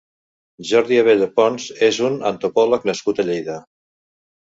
Jordi Abella Pons és un antopòleg nascut a Lleida.